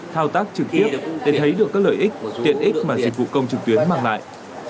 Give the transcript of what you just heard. thao tác trực tiếp để thấy được các lợi ích tiện ích mà dịch vụ công trực tuyến mang lại